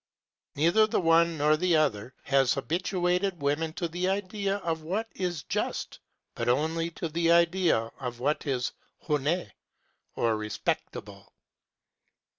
Neither the one nor the other has habituated women to the idea of what is just, but only to the idea of what is âhonnÃªte,â or respectable.